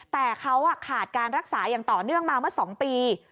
แต่เขาขาดการรักษาอย่างต่อเนื่องมาเมื่อ๒ปี